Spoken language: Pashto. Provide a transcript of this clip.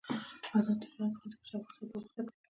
آزاد تجارت مهم دی ځکه چې افغانستان پرمختګ کوي.